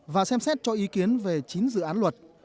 và xem xét các kỳ họp